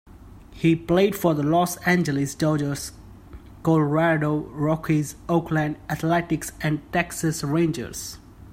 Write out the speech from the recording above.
He played for the Los Angeles Dodgers, Colorado Rockies, Oakland Athletics and Texas Rangers.